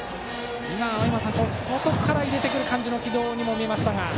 今のは外から入れてくる感じの軌道に見えましたが。